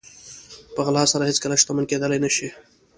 په غلا سره هېڅکله شتمن کېدلی نه شئ.